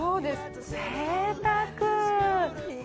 ぜいたく。